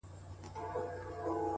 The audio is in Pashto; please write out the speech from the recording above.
سیاه پوسي ده؛ ورته ولاړ یم؛